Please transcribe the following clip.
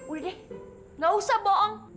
udah deh nggak usah bohong